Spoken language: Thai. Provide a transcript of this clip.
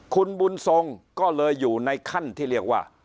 คุณบุญทรงก็เลยอยู่ในขั้นที่เรียกว่า